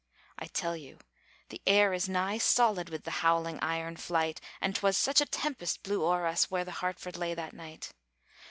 I tell you, the air is nigh solid With the howling iron flight; And 'twas such a tempest blew o'er us Where the Hartford lay that night.